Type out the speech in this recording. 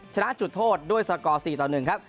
ชนะจุดโทษด้วยสกอร์๔ต่อ๑ครับ